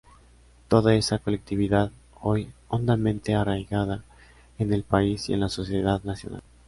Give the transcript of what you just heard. Toda esa colectividad, hoy hondamente arraigada en el país y en la sociedad nacional.